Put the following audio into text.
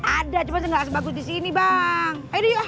ada cuma gak sebagus di sini bang